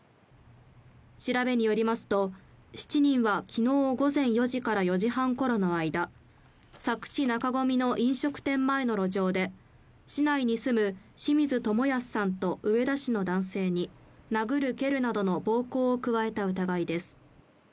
調べによりますと、７人は昨日午前４時から４時半ころの間、佐久市中込の飲食店前の路上で、市内に住む清水智康さんと上田市の男性に殴る蹴るなどの暴行を加えた疑いです。